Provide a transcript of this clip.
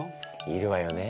いるわよね。